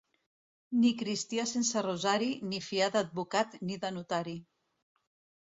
Ni cristià sense rosari, ni fiar d'advocat ni de notari.